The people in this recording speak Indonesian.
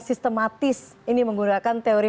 sistematis ini menggunakan teori